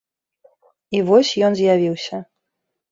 І вось ён з'явіўся.